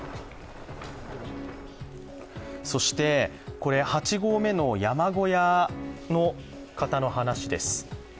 そして、これ８合目の山小屋の方の話です。